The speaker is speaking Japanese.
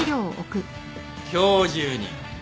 今日中に。